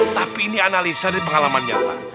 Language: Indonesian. tapi ini analisa dan pengalaman nyata